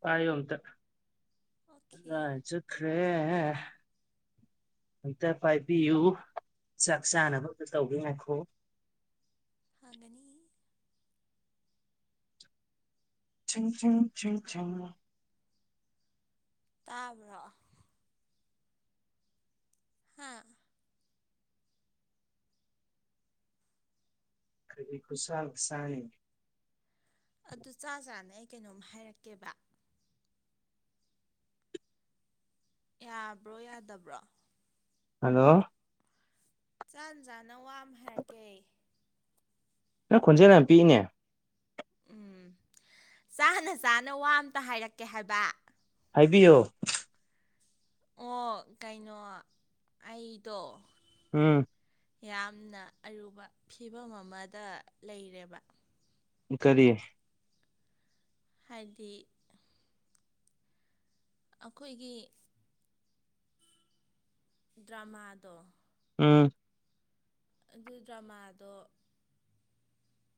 ꯇꯣꯇ okay ꯆꯈ꯭ꯔꯦ ꯑꯦꯛꯇ ꯄꯥꯏꯕꯤꯌꯨ ꯆꯥꯛ ꯆꯥꯅꯕ ꯑꯝꯛꯇ ꯇꯧꯕꯤ ꯉꯈꯣ ꯍꯅꯤ ꯪ ꯇꯥꯕ꯭ꯔꯣ ꯍꯥꯥ ꯀꯕꯤ ꯈꯨꯨꯁꯜ ꯁꯥꯏ ꯑꯗꯨ ꯆꯥ ꯆꯥꯅ ꯑꯩ ꯀꯩꯅꯣꯝ ꯍꯥꯏꯔꯛꯀꯦꯕ ꯌꯥꯕ꯭ꯔꯣ ꯌꯥꯗꯕ꯭ꯔꯣ ꯍꯜꯂꯣ ꯆꯥꯟ ꯆꯥꯅ ꯋꯥ ꯑꯃ ꯍꯥꯏꯔꯛꯀꯦ ꯅꯪ ꯈꯣꯟꯖꯦꯜ ꯌꯥꯝ ꯄꯤꯛꯏꯅꯦ ꯎꯝ ꯆꯥꯅ ꯆꯥꯅ ꯋꯥ ꯑꯝꯇ ꯍꯥꯏꯔꯛꯀꯦ ꯍꯥꯏꯕ ꯍꯥꯏꯕꯤꯌꯣ ꯑꯣ ꯀꯩꯅꯣ ꯑꯩꯗꯣ ꯎꯝ ꯌꯥꯝꯅ ꯑꯔꯨꯕ ꯐꯤꯕꯝ ꯑꯃꯗ ꯂꯩꯔꯦꯕ ꯀꯔꯤ ꯍꯥꯏꯗꯤ ꯑꯩꯈꯣꯏꯒꯤ ꯗ꯭ꯔꯃꯥꯗꯣ ꯎꯝ ꯑꯗꯨ ꯗ꯭ꯔꯃꯥꯗꯣ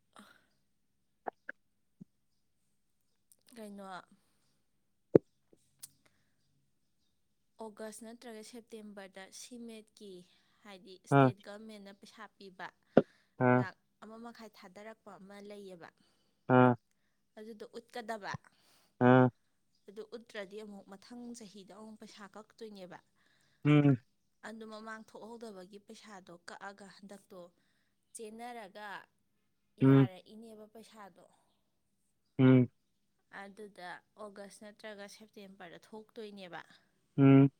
[inaudible] ꯀꯩꯅꯣ ꯑꯣꯒꯁ ꯅꯠꯇ꯭ꯔꯒ ꯁꯦꯞꯇꯦꯝꯕꯔꯗ ꯁꯤꯃꯦꯠꯀꯤ ꯍꯥꯏꯗꯤ ꯑꯥ ꯏꯁꯇꯦꯠ ꯒꯃꯦꯟꯅ ꯄꯩꯁꯥ ꯄꯤꯕ ꯑꯥ ꯂꯥꯛ ꯑꯃ ꯃꯈꯥꯏ ꯊꯥꯗꯔꯛꯄ ꯑꯃ ꯂꯩꯌꯦꯕ ꯑꯥ ꯑꯗꯨꯗꯣ ꯎꯠꯀꯗꯕ ꯑꯥ ꯑꯗꯨ ꯎꯠꯇ꯭ꯔꯗꯤ ꯑꯃꯨꯛ ꯃꯊꯪ ꯆꯍꯤꯗ ꯑꯃꯨꯛ ꯄꯩꯁꯥ ꯀꯛꯇꯣꯏꯅꯦꯕ ꯎꯝ ꯑꯗꯨ ꯃꯃꯥꯡ ꯊꯣꯛꯍꯧꯗꯕꯒꯤ ꯄꯩꯁꯥꯗꯣ ꯀꯛꯑꯒ ꯍꯟꯗꯛꯇꯣ ꯆꯦꯟꯅꯔꯒ ꯎꯝ ꯌꯥꯔꯛꯏꯅꯦꯕ ꯄꯩꯁꯥꯗꯣ ꯎꯝ ꯑꯗꯨꯗ ꯑꯣꯒꯁ ꯅꯠꯇ꯭ꯔꯒ ꯁꯦꯞꯇꯦꯝꯕꯔꯗ ꯊꯣꯛꯇꯣꯏꯅꯦꯕ ꯎꯝ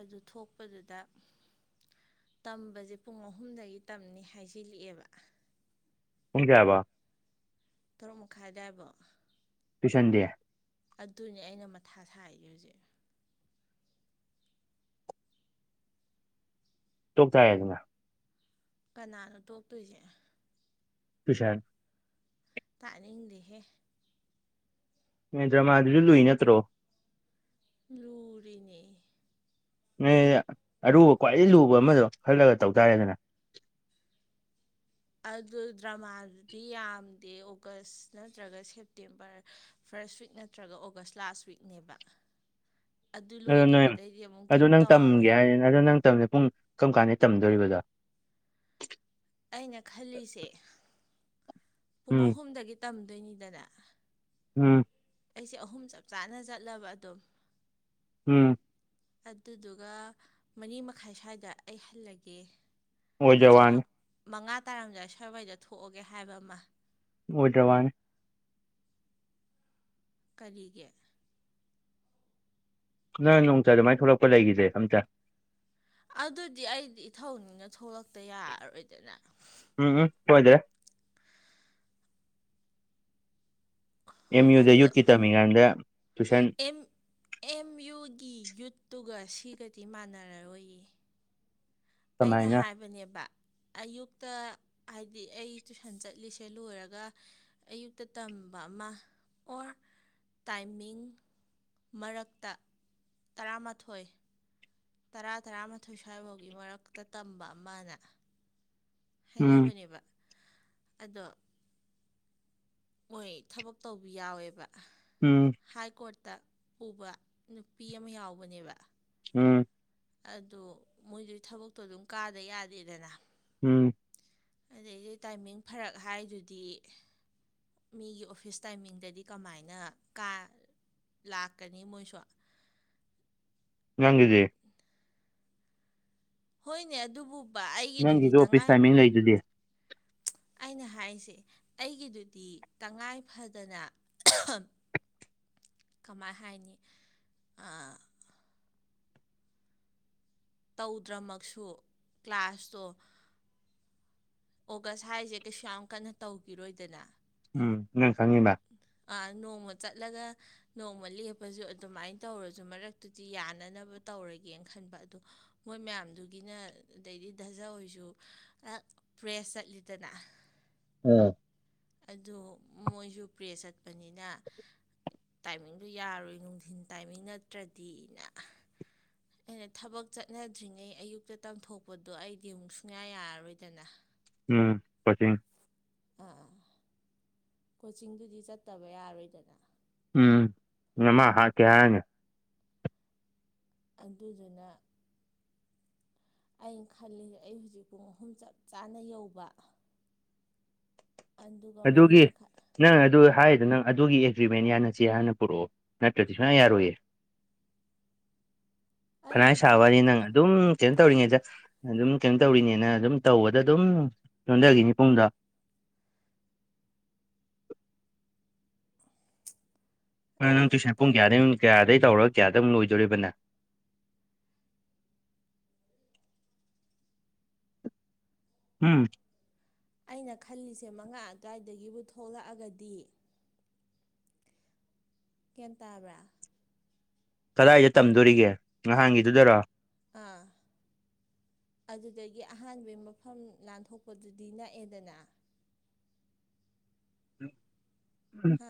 ꯑꯗꯨ ꯊꯣꯛꯄꯗꯨꯗ ꯇꯝꯕꯁꯦ ꯄꯨꯡ ꯑꯍꯨꯝꯗꯒꯤ ꯇꯝꯅꯤ ꯍꯥꯏꯁꯤꯂꯛꯑꯦꯕ ꯄꯨꯡ ꯀꯌꯥ ꯍꯥꯏꯕꯥ ꯇꯔꯨꯛ ꯃꯈꯥꯏꯗꯥꯏꯕꯣ [unintelligible] ꯑꯗꯨꯅꯦ ꯑꯩꯅ ꯃꯊꯥ ꯁꯥꯏꯁꯦ ꯍꯧꯖꯤꯛ ꯇꯣꯛ ꯇꯥꯔꯦꯗꯅꯥ ꯀꯅꯥꯅꯣ ꯇꯣꯛꯇꯣꯏꯁꯦ ꯄꯁꯔ ꯇꯥꯛꯅꯤꯡꯗꯦꯍꯦ ꯗ꯭ꯔꯃꯥꯗꯨꯁꯨ ꯂꯨꯏ ꯅꯠꯇ꯭ꯔꯣ ꯂꯨꯨꯔꯤꯅꯤ ꯅ ꯑꯔꯨꯕ ꯈ꯭ꯋꯥꯏꯗꯒꯤ ꯂꯨꯕ ꯑꯃꯗꯣ ꯈꯜꯂꯒ ꯇꯧ ꯇꯥꯔꯦꯗꯅ ꯑꯗꯨ ꯗ꯭ꯔꯃꯥꯗꯨꯗꯤ ꯌꯥꯝꯗꯦ ꯑꯣꯒꯁ ꯅꯠꯇ꯭ꯔꯒ ꯁꯦꯞꯇꯦꯝꯕꯔ ꯐꯥꯔꯁ ꯋꯤꯛ ꯅꯠꯇ꯭ꯔꯒ ꯑꯣꯒꯁ ꯂꯥꯁ ꯋꯤꯛꯅꯦꯕ ꯑꯗꯨ ꯂꯣꯏꯈꯤꯕꯗꯩꯗꯤ ꯑꯃꯨꯛ ꯀꯩꯝ ꯇꯧꯔꯔꯣꯏ ꯑꯗ ꯅꯪ ꯇꯝꯅꯤ ꯄꯨꯡ ꯀꯔꯝ ꯀꯥꯟꯗ ꯇꯝꯗꯣꯔꯤꯕꯗꯣ ꯑꯩꯅ ꯈꯜꯂꯤꯁꯦ ꯄꯨꯡ ꯎꯝ ꯑꯍꯨꯝꯗꯒꯤ ꯇꯝꯗꯣꯏꯅꯤꯗꯅ ꯎꯝ ꯑꯩꯁꯦ ꯑꯍꯨꯝ ꯆꯞ ꯆꯥꯅ ꯆꯠꯂꯕ ꯑꯗꯨꯝ ꯎꯝ ꯑꯗꯨꯗꯨꯒ ꯃꯔꯤ ꯃꯈꯥꯏ ꯁ꯭ꯋꯥꯏꯗ ꯑꯩ ꯍꯜꯂꯒꯦ ꯅꯠꯇ꯭ꯔꯒ ꯑꯣꯏꯗ꯭ꯔꯋꯥꯅꯤ ꯃꯉꯥ ꯇꯥꯔꯝꯗꯥꯏ ꯁꯔꯋꯥꯏꯗ ꯊꯣꯛꯑꯒꯦ ꯍꯥꯏꯕ ꯑꯃ ꯑꯣꯏꯗꯔ ꯋꯥꯅꯦ ꯀꯔꯤꯒꯤ ꯅꯪ ꯅꯣꯡꯇ ꯑꯗꯨꯃꯥꯏꯅ ꯊꯣꯛꯂꯛꯄ ꯂꯩꯈꯤꯁꯦ ꯑꯝꯇ ꯑꯗꯨꯗꯤ ꯑꯩꯗꯤ ꯏꯊꯧꯅꯤꯅ ꯊꯣꯛꯂꯛꯇ ꯌꯥꯔꯔꯣꯏꯗꯅ ꯎꯝ ꯎꯝ ꯍꯣꯏꯗ꯭ꯔꯦ ꯑꯦꯝ ꯌꯨꯗ ꯑꯗꯣ ꯌꯨꯠꯀꯤ ꯇꯝꯃꯤꯀꯥꯟꯗ ꯇꯨꯏꯁꯟ ꯑꯦꯝ ꯑꯦꯝ ꯌꯨꯒꯤ ꯌꯨꯠꯇꯨꯒ ꯁꯤꯒꯗꯤ ꯃꯥꯟꯅꯔꯔꯣꯏꯌꯦ ꯑꯩꯅ ꯀꯃꯥꯏꯅ ꯍꯥꯏꯕꯅꯦꯕ ꯑꯌꯨꯛꯇ ꯍꯥꯏꯗꯤ ꯑꯩ ꯇꯨꯏꯁꯟ ꯆꯠꯂꯤꯁꯦ ꯂꯣꯏꯔꯒ ꯑꯌꯨꯛꯇ ꯇꯝꯕ ꯑꯃ ꯑꯣꯔ ꯇꯥꯏꯃꯤꯡ ꯃꯔꯛꯇ ꯇꯔꯥꯃꯥꯊꯣꯏ ꯇꯔꯥ ꯇꯔꯥꯃꯥꯊꯣꯏ ꯁ꯭ꯋꯥꯏꯐꯥꯎꯒꯤ ꯃꯔꯛꯇ ꯇꯝꯕ ꯑꯃꯅꯦ ꯎꯝ ꯍꯥꯏꯅꯕꯅꯦꯕ ꯑꯗꯣ ꯍꯣꯏ ꯊꯕꯛ ꯇꯧꯕꯤ ꯌꯥꯎꯋꯦꯕ ꯎꯝ ꯍꯥꯏ ꯀꯣꯔꯠꯇ ꯄꯨꯕ ꯅꯨꯄꯤ ꯑꯃ ꯌꯥꯎꯕꯅꯦꯕ ꯎꯝ ꯑꯗꯨꯗꯣ ꯃꯣꯏꯗꯨ ꯊꯕꯛꯇꯣ ꯑꯗꯨꯝ ꯀꯥꯗ ꯌꯥꯗꯦꯗꯅ ꯎꯝ ꯑꯗꯩꯗꯤ ꯇꯥꯏꯃꯤꯡ ꯐꯔꯛ ꯍꯥꯏꯗꯨꯗꯤ ꯃꯤꯒꯤ ꯑꯣꯐꯤꯁ ꯇꯥꯏꯃꯤꯡꯗꯗꯤ ꯀꯃꯥꯏꯅ ꯀꯥ ꯂꯥꯛꯀꯅꯤ ꯃꯣꯏꯁꯨ ꯅꯪꯒꯤꯗꯤ ꯍꯣꯏꯅꯦ ꯑꯗꯨꯕꯨ ꯑꯩꯒꯤꯗꯨꯗꯤ ꯅꯪꯒꯤꯁꯨ ꯑꯣꯐꯤꯁ ꯇꯉꯥꯏ ꯇꯥꯏꯃꯤꯡ ꯂꯩꯗꯨꯗꯤ ꯑꯩꯅ ꯍꯥꯏꯁꯦ ꯑꯩꯒꯤꯗꯨꯗꯤ ꯇꯉꯥꯏ ꯐꯗꯅ ꯀꯃꯥꯏ ꯍꯥꯏꯅꯤ ꯇꯧꯗ꯭ꯔꯃꯛꯁꯨ ꯀ꯭ꯂꯥꯁꯇꯣ ꯑꯣꯒꯁ ꯍꯥꯏꯔꯤꯁꯦ ꯀꯩꯁꯨ ꯌꯥꯝ ꯀꯟꯅ ꯇꯧꯈꯤꯔꯣꯏꯗꯅ [unintelligible] ꯅꯣꯡꯃ ꯆꯠꯂꯒ ꯅꯣꯡꯃ ꯂꯦꯞꯄꯁꯨ ꯑꯗꯨꯃꯥꯏꯅ ꯇꯧꯔꯁꯨ ꯃꯔꯛꯇꯨꯗꯤ ꯌꯥꯅꯅꯕ ꯇꯧꯔꯒꯦꯅ ꯈꯟꯕ ꯑꯗꯣ ꯃꯣꯏ ꯃꯌꯥꯝꯗꯨꯒꯤꯅ ꯑꯗꯩꯗꯤ ꯖ ꯍꯣꯏꯁꯨ ꯄ꯭ꯔꯦꯁ ꯆꯠꯂꯤꯗꯅ ꯎꯝ ꯑꯗꯨ ꯃꯣꯏꯁꯨ ꯄ꯭ꯔꯦꯁ ꯆꯠꯄꯅꯤꯅ ꯇꯥꯏꯃꯤꯡꯗꯣ ꯌꯥꯔꯣꯏ ꯅꯨꯡꯊꯤꯟ ꯇꯥꯏꯃꯤꯡ ꯅꯠꯇ꯭ꯔꯗꯤꯅ ꯑꯩꯅ ꯊꯕꯛ ꯆꯠꯅꯗ꯭ꯔꯤꯉꯩ ꯑꯌꯨꯛꯇ ꯇꯝꯊꯣꯛꯄꯗꯣ ꯑꯩꯗꯤ ꯑꯃꯨꯛ ꯁꯨꯡꯌꯥ ꯌꯥꯔꯔꯣꯏꯗꯅ ꯎꯝ [unintelligible] ꯑꯥ ꯀꯣꯆꯤꯡꯗꯨꯗꯤ ꯆꯠꯇꯕ ꯌꯥꯔꯣꯏꯗꯅ ꯎꯝ ꯅꯃꯥ ꯍꯥꯠꯀꯦ ꯍꯥꯏꯔꯥꯅꯤ ꯑꯗꯨꯗꯨꯅ ꯑꯩꯅ ꯈꯜꯂꯤꯁꯦ ꯑꯩ ꯍꯧꯖꯤꯛ ꯄꯨꯡ ꯑꯍꯨꯝ ꯆꯞ ꯆꯥꯅ ꯌꯧꯕ ꯑꯗꯨꯒ ꯃꯔꯤ ꯑꯗꯨꯒꯤ ꯃꯈꯥ ꯅꯪ ꯑꯗꯨ ꯍꯥꯏꯔꯤꯗꯣ ꯅꯪ ꯑꯗꯨꯒꯤ ꯑꯦꯒ꯭ꯔꯤꯃꯦꯟ ꯌꯥꯅꯁꯦ ꯍꯥꯟꯅ ꯄꯨꯔꯛꯑꯣ ꯅꯠꯇ꯭ꯔꯗꯤ ꯁꯨꯌꯥ ꯌꯥꯔꯣꯏꯌꯦ [inaudible] ꯐꯅꯥꯏ ꯑꯩ ꯏꯆꯦ ꯁꯥꯕꯅꯤ ꯅꯪ ꯑꯗꯨꯝ ꯀꯩꯅꯣ ꯇꯧꯔꯤꯉꯩꯗ ꯑꯗꯨꯝ ꯀꯩꯅꯣ ꯇꯧꯔꯤꯅꯦꯅ ꯑꯗꯨꯝ ꯇꯧꯕꯗ ꯑꯗꯨꯝ ꯁꯣꯟꯗꯈꯤꯅꯤ ꯄꯨꯡꯗꯣ ꯅꯪ ꯑꯩ ꯇꯨꯏꯁꯟ ꯄꯨꯡ ꯀꯌꯥꯗꯒꯤꯩꯃꯤꯠ ꯀꯌꯥꯗꯩ ꯇꯧꯔꯒ ꯀꯌꯥꯗ ꯑꯃꯨꯛ ꯂꯣꯏꯗꯣꯔꯤꯕ ꯅꯪ ꯎꯝ ꯑꯩꯅ ꯈꯜꯂꯤꯁꯦ ꯃꯉꯥ ꯑꯗꯨꯋꯥꯏꯗꯒꯤꯕꯨ ꯊꯣꯛꯂꯛꯑꯒꯗꯤ ꯒ꯭ꯌꯥꯟ ꯇꯥꯕ꯭ꯔꯥ? ꯀꯗꯥꯏꯗ ꯇꯝꯗꯣꯔꯤꯒꯦ ꯉꯍꯥꯟꯒꯤꯗꯨꯗꯔꯣ? ꯑꯥ ꯑꯗꯨꯗꯒꯤ ꯑꯍꯥꯟꯕꯩ ꯃꯐꯝ ꯂꯥꯟꯊꯣꯛꯄꯗꯨꯗꯤ ꯅꯛꯑꯦꯗꯅ꯫ ꯍꯥ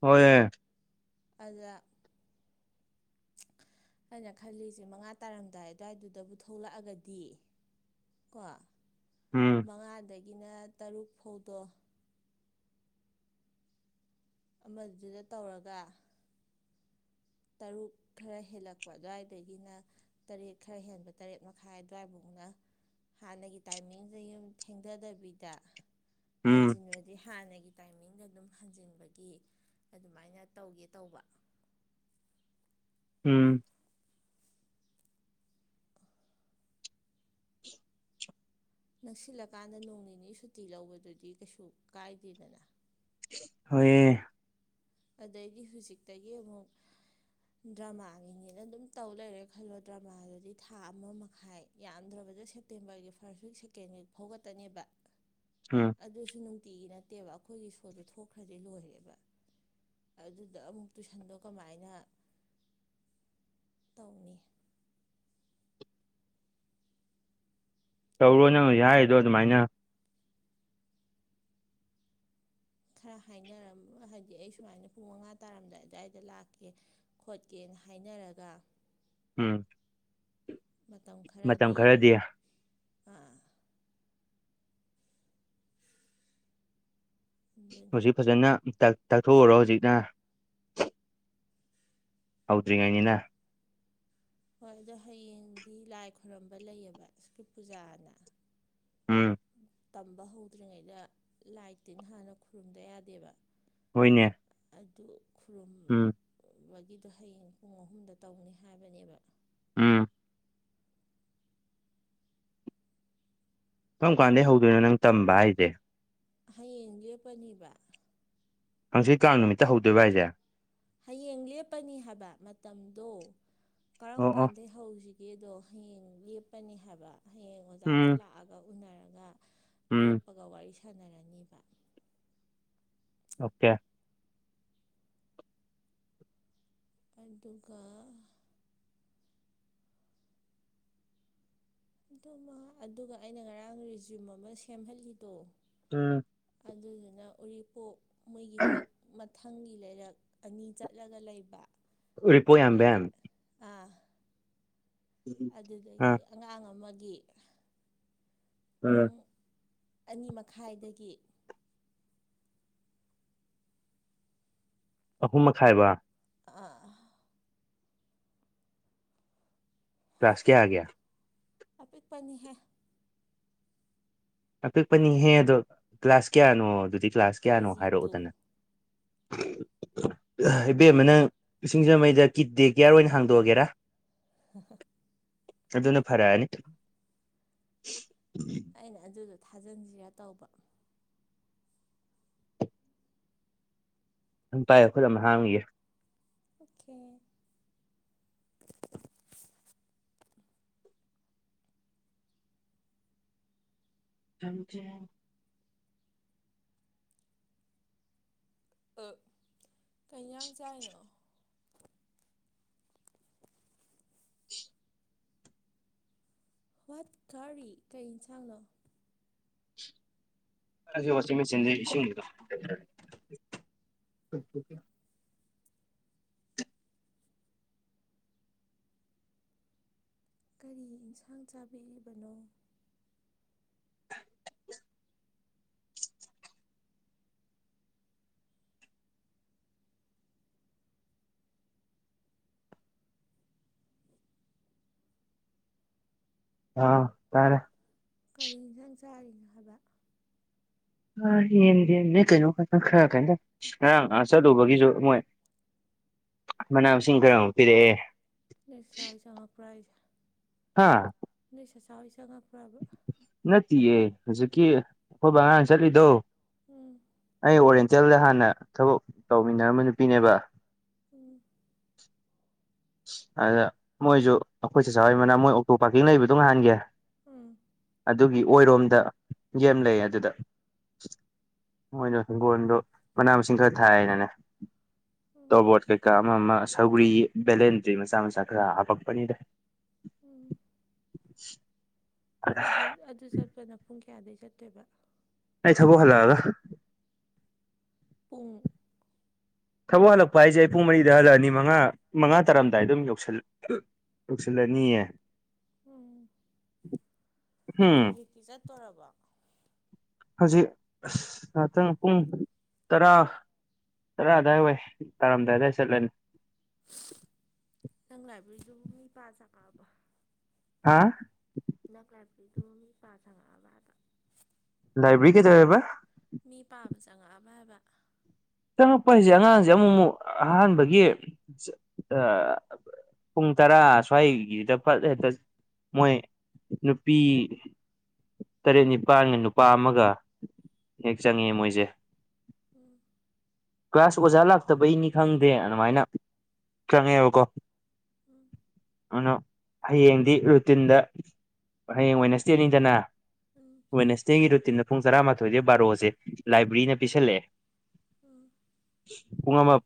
ꯍꯣꯏꯌꯦ ꯑꯗ ꯍꯥꯏꯅ ꯈꯜꯂꯤꯁꯦ ꯃꯉꯥ ꯇꯥꯔꯝꯗꯥꯏ ꯑꯗꯨꯋꯥꯏꯗꯨꯗꯕꯨ ꯊꯣꯛꯂꯛꯑꯒꯗꯤ ꯀꯣ ꯎꯝ ꯃꯉꯥꯗꯒꯤꯅ ꯇꯔꯨꯛ ꯐꯥꯎꯗꯣ ꯑꯃꯗꯨꯗ ꯇꯧꯔꯒ ꯇꯔꯨꯛ ꯈꯔ ꯍꯦꯜꯂꯛꯄ ꯑꯗꯨꯋꯥꯏꯗꯒꯤꯅ ꯇꯔꯦꯠ ꯈꯔ ꯍꯦꯟꯕ ꯇꯔꯦꯠ ꯃꯈꯥꯏ ꯑꯗꯨꯋꯥꯏꯕꯨꯛꯅ ꯍꯥꯟꯅꯒꯤ ꯇꯥꯏꯃꯤꯡꯗ ꯌꯨꯝ ꯊꯦꯡꯊꯗꯕꯤꯗ ꯎꯝ ꯍꯟꯖꯤꯟ ꯑꯗꯩ ꯍꯥꯟꯅꯒꯤ ꯇꯥꯏꯃꯤꯡꯗ ꯑꯗꯨꯝ ꯍꯟꯖꯤꯟꯕꯒꯤ ꯑꯗꯨꯃꯥꯏꯅ ꯇꯧꯒꯦ ꯇꯧꯕ꯫ ꯎꯝ [inaudible] ꯅꯛꯁꯤꯜꯂꯀꯥꯟꯗ ꯅꯣꯡ ꯅꯤꯅꯤ ꯁꯨꯇꯤ ꯂꯧꯕꯗꯨꯗꯤ ꯀꯩꯁꯨ ꯀꯥꯏꯗꯦꯗꯅ꯫ ꯍꯣꯏꯌꯦ ꯑꯗꯩꯗꯤ ꯍꯨꯖꯤꯛꯇꯒꯤ ꯑꯃꯨꯛ ꯗ꯭ꯔꯃꯥꯒꯤꯅꯦꯅ ꯑꯗꯨꯝ ꯇꯧ ꯂꯩꯔꯦ ꯈꯜꯂꯣ ꯗ꯭ꯔꯃꯥꯗꯨꯗꯤ ꯊꯥ ꯑꯃ ꯃꯈꯥꯏ ꯌꯥꯝꯗ꯭ꯔꯕꯗ ꯁꯦꯞꯇꯦꯝꯕꯔꯒꯤ ꯐꯥꯔꯁ ꯋꯤꯛ ꯁꯦꯀꯦꯟ ꯋꯤꯛ ꯐꯥꯎꯈꯛꯇꯅꯦꯕ꯫ ꯎꯝ ꯑꯗꯨꯁꯨ ꯅꯨꯡꯇꯤꯒꯤ ꯅꯠꯇꯦꯕ ꯑꯈꯣꯏꯒꯤ ꯁꯣꯗꯣ ꯊꯣꯛꯈ꯭ꯔꯗꯤ ꯂꯣꯏꯔꯦꯕ꯫ ꯑꯗꯨꯗ ꯑꯃꯨꯛ ꯇꯨꯏꯁꯟꯗꯣ ꯀꯃꯥꯏꯅ ꯇꯧꯅꯤ꯫ ꯇꯧꯔꯣ ꯅꯪ ꯍꯨꯖꯤꯛ ꯍꯥꯏꯔꯤꯗꯣ ꯑꯗꯨꯃꯥꯏꯅ꯫ ꯈꯔ ꯍꯥꯏꯅꯔꯝ ꯍꯥꯏꯗꯤ ꯑꯩ ꯁꯨꯃꯥꯏꯅ ꯄꯨꯡ ꯃꯉꯥ ꯇꯥꯔꯝꯗꯥꯏ ꯑꯗꯨꯋꯥꯏꯗ ꯂꯥꯛꯀꯦ ꯈꯣꯠꯀꯦꯅ ꯍꯥꯏꯅꯔꯒ ꯎꯝ ꯃꯇꯝ ꯃꯇꯝ ꯈꯔꯗꯤꯅ ꯈꯔꯗꯤ ꯑꯥ [inaudible] ꯑꯗꯨꯅꯤ ꯍꯧꯖꯤꯛ ꯐꯖꯅ ꯇꯥꯛ ꯇꯥꯛꯊꯣꯛꯎꯔꯣ ꯍꯧꯖꯤꯛꯅ꯫ ꯍꯧꯗ꯭ꯔꯤ ꯉꯥꯏꯅꯤꯅ ꯍꯣꯏ ꯑꯗꯣ ꯍꯌꯦꯡꯗꯤ ꯂꯥꯏ ꯈꯣꯏꯔꯝꯕ ꯂꯩꯌꯦꯕ [unintelligible] ꯄꯨꯖꯥꯅ ꯎꯝ ꯇꯝꯕ ꯍꯧꯗ꯭ꯔꯤꯉꯩꯗ ꯂꯥꯏ ꯇꯤꯟ ꯍꯥꯟꯅ ꯈꯨꯔꯨꯝꯗ ꯌꯥꯗꯦꯕ꯫ ꯍꯣꯏꯅꯦ ꯑꯗꯨ ꯎꯝ ꯈꯨꯔꯨꯝꯕꯒꯤꯗꯣ ꯍꯌꯦꯡ ꯄꯨꯡ ꯑꯍꯨꯝꯗ ꯇꯧꯅꯤ ꯍꯥꯏꯕꯅꯦꯕ‌꯫ ꯎꯝ ꯀꯔꯝ ꯀꯥꯟꯗꯩ ꯍꯧꯗꯣꯏꯅꯣ ꯅꯪ ꯇꯝꯕ ꯍꯥꯏꯖꯦ? ꯍꯌꯦꯡ ꯂꯦꯞꯄꯅꯤꯕ ꯍꯥꯡꯆꯤꯠ ꯀꯥꯡ ꯅꯨꯃꯤꯠꯇ ꯍꯧꯗꯣꯏꯕ ꯍꯥꯏꯁꯦ? ꯍꯌꯦꯡ ꯂꯦꯞꯄꯅꯤ ꯍꯥꯏꯕ ꯃꯇꯝꯗꯣ ꯀꯔꯝ ꯑꯣ ꯑꯣ ꯀꯥꯟꯗꯩ ꯍꯧꯁꯤꯒꯦꯗꯣ ꯍꯌꯦꯡ ꯂꯦꯞꯄꯅꯤ ꯍꯥꯏꯕ ꯍꯌꯦꯡ ꯑꯣꯖꯥꯥꯖꯦ ꯎꯝ ꯂꯥꯛꯑ ꯎꯅꯔꯒ ꯎꯝ ꯂꯦꯞꯄꯒ ꯋꯥꯔꯤ ꯁꯥꯟꯅꯔꯅꯤꯕ ꯑꯣꯀꯦ ꯑꯗꯨꯒ ꯑꯗꯨꯃ ꯑꯗꯨꯒ ꯑꯩꯅ ꯉꯔꯥꯡ ꯔꯤꯖꯨꯝ ꯑꯃ ꯁꯦꯝꯍꯜꯂꯤꯗꯣ ꯎꯝ ꯑꯗꯨꯗꯨꯅ ꯎꯔꯤꯄꯣꯛ ꯃꯣꯏꯒꯤ ꯍꯦꯛ ꯃ ꯃꯊꯪꯒꯤ ꯂꯩꯔꯛ ꯑꯅꯤ ꯆꯠꯂꯒ ꯂꯩꯕ ꯎꯔꯤꯄꯣꯛ ꯂꯩꯀꯥꯏ ꯌꯥꯝꯕꯦꯝ ꯑ ꯑꯗꯨꯗꯒꯤ ꯑꯉꯥꯡ ꯑꯃꯒꯤ ꯄꯨꯡ ꯑꯅꯤ ꯃꯈꯥꯏꯗꯒꯤ ꯑꯍꯨꯝ ꯃꯈꯥꯏꯕ ꯑꯥ ꯀ꯭ꯂꯥꯁ ꯀꯌꯥꯒꯤ? ꯑꯄꯤꯛꯄꯅꯤꯍꯦ ꯑꯄꯤꯛꯄꯅꯤꯍꯦ ꯑꯗꯣ ꯀ꯭ꯂꯥꯁ ꯀꯌꯥꯅꯣ ꯑꯗꯨꯗꯤ ꯀ꯭ꯂꯥꯁ ꯀꯦ ꯀꯌꯥꯅꯣ ꯖꯤ ꯍꯥꯏꯔꯛꯎꯗꯅ꯫ [inaudible] ꯏꯕꯦꯝꯃ ꯅꯪ ꯁꯤꯡꯖꯃꯩꯗ ꯀꯤꯠ ꯗꯦ ꯀꯤꯌꯥꯔ ꯑꯣꯏꯅ ꯍꯥꯡꯗꯣꯛꯑꯒꯦꯔꯥ? ꯍꯥ ꯍꯥ ꯑꯗꯨꯅ ꯐꯔꯛꯑꯅꯤ ꯑꯩꯅ ꯑꯗꯨꯗꯣ ꯊꯥꯖꯤꯟꯖꯤꯔꯥ ꯇꯧꯕ ꯑꯗꯨꯝ ꯄꯥꯏꯑꯦ ꯑꯩꯈꫭꯏ ꯂꯝ ꯍꯥꯡꯉꯤꯋꯦ ꯑꯣꯛꯈꯦ ꯂꯝꯖꯦꯟ ꯑꯛ ꯀꯩꯖꯥꯡ ꯆꯥꯏꯅꯣ ꯍꯨ꯭ꯋꯥꯠ ꯀꯥꯔꯤ ꯀꯩ ꯏꯟꯁꯥꯡꯅꯣ ꯑꯩꯖꯤ ꯋꯥꯆꯤꯡꯃꯦꯆꯤꯟꯗꯩ ꯏꯁꯤꯡ [unintelligible] ꯀꯔꯤ ꯏꯟꯁꯥꯡ ꯆꯥꯕꯤꯔꯤꯕꯅꯣ ꯑꯥ ꯇꯥꯔꯦ ꯀꯔꯤ ꯏꯟꯁꯥꯡ ꯆꯥꯔꯤꯅꯣ ꯍꯥꯏꯕ ꯑ ꯌꯦꯡꯗꯦ ꯅ ꯀꯩꯅꯣ ꯈꯪ ꯈꯔ ꯀꯝꯇ ꯉꯔꯥꯡ ꯑꯥ ꯆꯠꯂꯨꯕꯒꯤꯖꯨ ꯃꯣꯏ ꯃꯅꯥ ꯃꯁꯤꯡ ꯀꯔꯃꯨꯛ ꯄꯤꯔꯛꯑꯦ ꯂꯩꯁꯥ ꯍꫭꯏ ꯆꯪꯉꯛꯄꯔ ꯍꯥꯏꯖꯦ ꯍꯥꯥ ꯅꯣꯏ ꯆꯆꯥꯥ ꯈꫭꯏ ꯆꯪꯉꯛꯄꯔꯕ ꯅꯠꯇꯤꯌꯦ ꯍꯧꯖꯤꯛꯀꯤ ꯑꯩꯈꯣꯏ ꯕꯥ ꯍꯥꯟꯅ ꯆꯠꯂꯤꯗꯣ ꯎꯝ ꯑꯩ ꯑꯣꯔꯦꯟ ꯇꯦꯜꯗ ꯍꯥꯟꯅ ꯊꯕꯛ ꯇꯧꯃꯤꯟꯅꯔꯝꯕ ꯅꯨꯄꯤꯅꯦꯕ ꯎꯝ ꯑꯗ ꯃꯣꯏꯖꯨ ꯑꯩꯈꯣꯏ ꯆꯆꯥ ꯍꫭꯏ ꯃꯅꯥꯛ ꯃꯣꯏ ꯑꯣꯇꯣ ꯄꯥꯛꯀꯤꯡ ꯂꯩꯕꯗꯣ ꯅꯍꯥꯟꯒꯤ ꯎꯝ ꯑꯗꯨꯒꯤ ꯑꯣꯏꯔꯣꯝꯗ ꯌꯦꯝ ꯂꯩ ꯑꯗꯨꯗ ꯃꯣꯏꯅ ꯍꯤꯡꯒꯣꯜꯗꯣ ꯃꯅꯥ ꯃꯁꯤꯡ ꯈꯔ ꯊꯥꯏꯌꯦꯅꯅꯦ ꯎꯝ ꯇꯣꯕꯣꯠ ꯀꯩꯀꯥ ꯑꯃ ꯑꯃ ꯁꯧꯒꯔꯤ ꯕꯦꯂꯦꯟꯗꯔꯤ ꯃꯆꯥ ꯃꯆꯥ ꯈꯔ ꯍꯥꯞꯄꯛꯄꯅꯤꯗ ꯎꯝ ꯑꯗ ꯑꯗꯨ ꯆꯠꯄꯅ ꯄꯨꯡ ꯀꯌꯥꯗꯩ ꯆꯠꯇꯣꯏꯕ ꯑꯩ ꯊꯕꯛ ꯍꯜꯂꯛꯑꯒ ꯄꯨꯡ ꯊꯕꯛ ꯍꯜꯂꯛꯄ ꯍꯥꯏꯖꯦ ꯄꯨꯡ ꯃꯔꯤꯗ ꯍꯜꯂꯛꯑꯅꯤ ꯃꯪꯉꯥ ꯃꯪꯉꯥ ꯇꯥꯔꯝꯗꯥꯏꯗ ꯑꯗꯨꯝ ꯌꯧꯁꯜ ꯋꯧꯁꯜꯂꯅꯤ ꯎꯝ ꯎꯝ ꯍꯧꯖꯤꯛꯇꯤ ꯆꯠꯇꯣꯔꯕꫭ ꯍꯧꯖꯤꯛ ꯑꯁ ꯉꯥꯛꯇꯪ ꯄꯨꯡ ꯇꯔꯥ ꯇꯔꯥ ꯑꯗꯥꯏ ꯋꯥꯏ ꯇꯥꯔꯝꯗꯥꯏ ꯑꯗꯥꯏ ꯆꯠꯂꯅꯤ ꯅꯪ ꯂꯥꯏꯕ꯭ꯔꯦꯔꯤꯗꯨꯕꯨ ꯃꯤ ꯄꯥ‌ ꯆꯪꯉꯛꯑꯕꫭ ꯍꯥ ꯍꯤꯗꯛ ꯂꯥꯏꯕꯔꯤꯗꯨꯣ ꯃꯤ ꯄꯥ ꯁꯪꯉꯛꯑꯕ ꯑꯗ ꯂꯥꯏꯕ꯭ꯔꯦꯔꯤ ꯀꯩꯗꯦꯕꯕꯥ ꯃꯤ ꯄꯥꯕ ꯆꯪꯉꯛꯑꯕ ꯍꯥꯏꯕ ꯆꯪꯉꯛꯄ ꯍꯥꯏꯁꯦ ꯑꯉꯥꯡꯁꯦ ꯑꯃꯨꯛ ꯑꯃꯨꯛ ꯑꯍꯥꯟꯕꯒꯤ ꯄꯨꯡ ꯇꯔꯥ ꯁ꯭ꯋꯥꯏꯒꯤꯗ ꯍꯦꯛꯇ ꯃꯣꯏ ꯅꯨꯄꯤ ꯇꯔꯦꯠ ꯅꯤꯄꯥꯟꯒ ꯅꯨꯄꯥ ꯑꯃꯒ ꯍꯦꯛ ꯆꯪꯉꯦ ꯃꯣꯏꯁꯦ ꯎꯝ ꯀ꯭ꯂꯥꯁ ꯑꯣꯖꯥ ꯂꯥꯛꯇꯕꯩꯅꯤ ꯈꯪꯗꯦ ꯑꯗꯨꯃꯥꯏꯅ ꯆꯪꯉꯦꯕꯀꯣ ꯎꯝ ꯑꯗꯨꯅ ꯍꯌꯦꯡꯗꯤ ꯔꯨꯇꯤꯟꯗ ꯍꯌꯦꯡ ꯋꯦꯅ꯭ꯁꯇꯦꯅꯤꯗꯅ ꯎꯝ ꯋꯦꯅꯦꯁꯇꯦꯒꯤ ꯔꯨꯇꯤꯟꯗ ꯄꯨꯡ ꯇꯔꯥꯃꯥꯊꯣꯏꯗꯩ ꯕꯥꯔꯣꯖꯦ ꯂꯥꯏꯕ꯭ꯔꯦꯔꯤꯅ ꯄꯤꯁꯜꯂꯛꯑꯦ ꯎꯝ ꯄꯨꯨꯡ ꯑꯃ